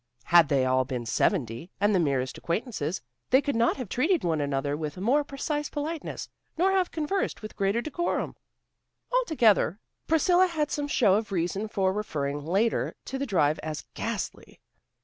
Had they all been seventy, and the merest acquaintances, they could not have treated one another with more precise politeness, nor have conversed with greater decorum. Altogether, Priscilla had some show of reason for referring later to the drive as "ghastly."